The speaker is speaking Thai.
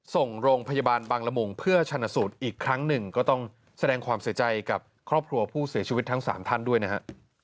ส่งโรงพยาบาลบังละมุงเพื่อชนะสูตรอีกครั้งหนึ่งก็ต้องแสดงความเสียใจกับครอบครัวผู้เสียชีวิตทั้ง๓ท่านด้วยนะฮะ